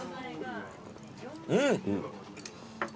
うん！